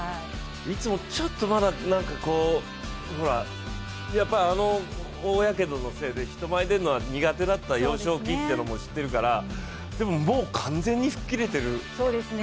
いつもちょっと、まだなんかあの大やけどのせいで人前、出るのは苦手だった幼少期っていうのも知ってるからでももう、完全に吹っ切れている。